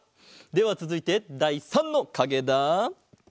ではつづいてだい３のかげだ。